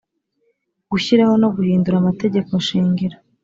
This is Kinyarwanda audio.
Gushyiraho no guhindura amategeko shingiro